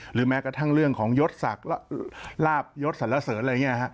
แม้กระทั่งเรื่องของยศศักดิ์ลาบยศสรรเสริญอะไรอย่างนี้